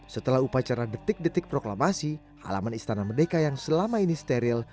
setelah upacara detik detik proklamasi halaman istana merdeka yang selama ini steril